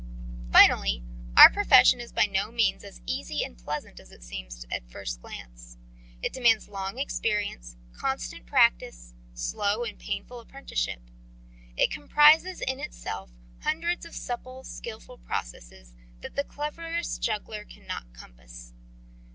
"Finally, our profession is by no means as easy and pleasant as it seems to the first glance. It demands long experience, constant practice, slow and painful apprenticeship. It comprises in itself hundreds of supple, skilful processes that the cleverest juggler cannot compass.